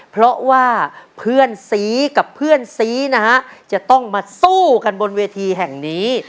เพราะว่าเพื่อนสีกับเพื่อนสีนะฮะจะต้องมาสู้กันบนเวทีแห่งนี้